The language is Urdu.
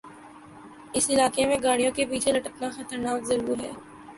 اس علاقے میں گاڑیوں کے پیچھے لٹکنا خطرناک ضرور ہے